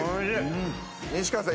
西川さん